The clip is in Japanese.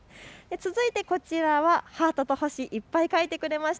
続いてハートと星いっぱい描いてくれました